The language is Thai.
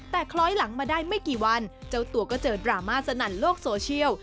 แต่คล้อยหลังมาได้ไม่กี่วันเจ้าตัวก็เจอดราม่าสนั่นโลกโซเชียล